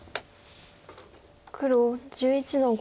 黒１１の五。